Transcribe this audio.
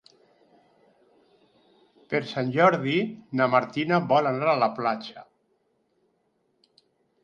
Per Sant Jordi na Martina vol anar a la platja.